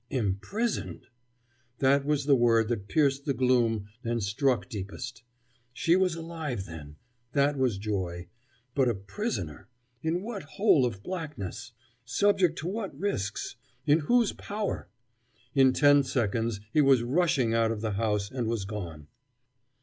"Imprisoned!" That was the word that pierced the gloom and struck deepest. She was alive, then that was joy. But a prisoner in what hole of blackness? Subject to what risks? In whose power? In ten seconds he was rushing out of the house, and was gone.